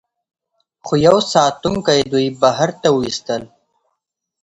خو یوه ساتونکي دوی بهر ته وویستل